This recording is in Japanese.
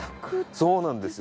そうなんですよ